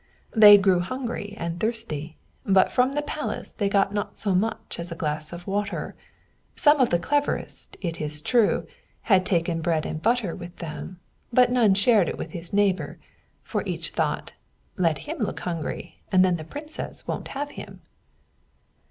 "They grew hungry and thirsty; but from the palace they got not so much as a glass of water. Some of the cleverest, it is true, had taken bread and butter with them; but none shared it with his neighbor, for each thought, 'Let him look hungry, and then the Princess won't have him.'"